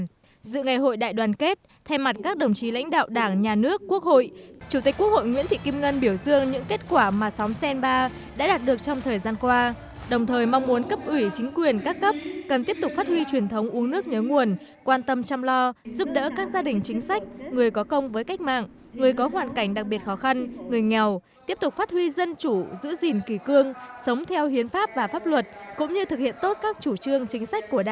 trước khi dự ngày hội đại đoàn kết thay mặt các đồng chí lãnh đạo đảng nhà nước quốc hội chủ tịch quốc hội nguyễn thị kim ngân biểu dương những kết quả mà xóm senba đã đạt được trong thời gian qua đồng thời mong muốn cấp ủy chính quyền các cấp cần tiếp tục phát huy truyền thống uống nước nhớ nguồn quan tâm chăm lo giúp đỡ các gia đình chính sách người có công với cách mạng người có hoàn cảnh đặc biệt khó khăn người nghèo tiếp tục phát huy dân chủ giữ gìn kỳ cương sống theo hiến pháp và pháp luật cũng như thực hiện tốt các chủ trương chính sách của đ